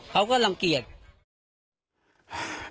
เขาก็รังเกียจ